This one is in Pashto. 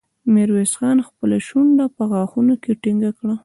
ميرويس خان خپله شونډه په غاښونو کې ټينګه کړه.